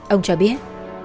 ông cho biết